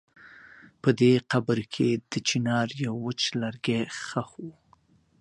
په دې قبر کې د چنار يو وچ لرګی ښخ و.